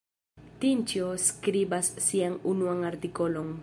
Tinĉjo skribas sian unuan artikolon.